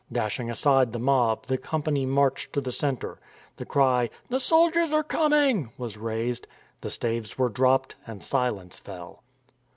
Dashing aside the mob the company marched to the centre. The cry, " The soldiers are coming !" was raised. The staves were dropped and silence fell.